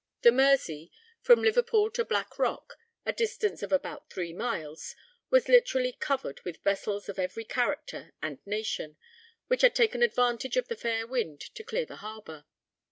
The Mersey, from Liverpool to Black Rock, a distance of about three miles, was literally covered with vessels of every character and nation, which had taken advantage of the fair wind to clear the harbor.